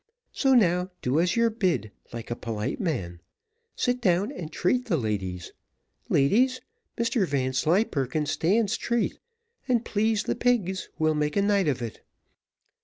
So now do as you're bid, like a polite man; sit down, and treat the ladies. Ladies, Mr Vanslyperken stands treat, and please the pigs, we'll make a night of it.